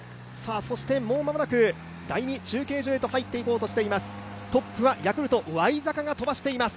もう間もなく第２中継所へと入っていこうとしています。